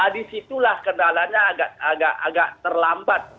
di situlah kendalanya agak terlambat